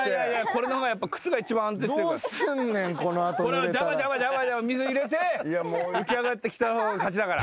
これをジャバジャバジャバジャバ水入れて浮き上がってきた方が勝ちだから。